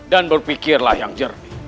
dan berpikirlah yang jernih